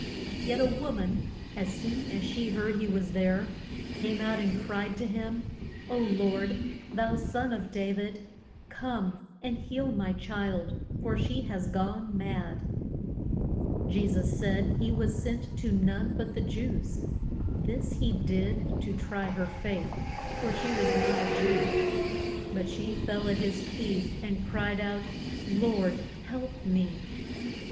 Yet a wo man, as soon as she heard he was there, came out and cried to him, O Lord, thou Son of Da vid, come and heal my child, for she has gone mad. [Illustration: THE AS CEN SION.] Je sus said he was sent to none but the Jews. This he did to try her faith, for she was not a Jew. But she fell at his feet, and cried out, Lord help me!